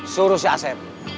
suruh si asep